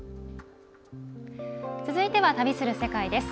続いては「旅する世界」。